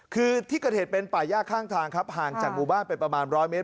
คือที่เกิดเหตุเป็นป่าย่าข้างทางครับห่างจากหมู่บ้านไปประมาณร้อยเมตร